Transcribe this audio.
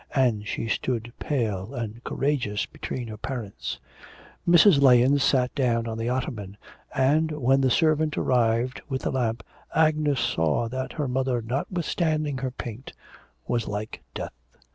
and she stood pale and courageous between her parents. Mrs. Lahens sat down on the ottoman, and, when the servant arrived with the lamp, Agnes saw that her mother, notwithstanding her paint, was like death.